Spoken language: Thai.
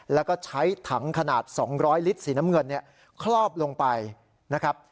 แล้วก็ใช้ถังขนาด๒๐๐ลิตรสีน้ำเงินเนี่ยคลอบลงไปนะครับ